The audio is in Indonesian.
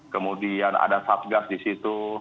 kemudian ada satgas di situ